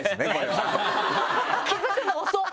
気付くの遅っ！